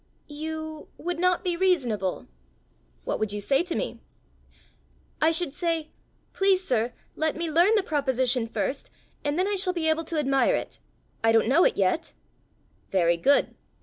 "You would not be reasonable." "What would you say to me?" "I should say, 'Please, sir, let me learn the proposition first, and then I shall be able to admire it. I don't know it yet!'" "Very good!